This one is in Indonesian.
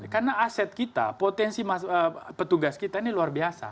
karena aset kita potensi petugas kita ini luar biasa